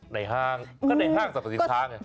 ห้างก็ในห้างสรรพสินค้าไง